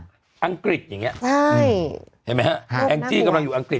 อย่างเนี้ยใช่เห็นไหมฮะอังกฤษกำลังอยู่อังกฤษ